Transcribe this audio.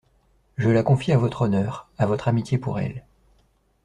Je la confie à votre honneur, à votre amitié pour elle.